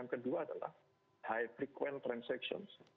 yang kedua adalah high frequent transactions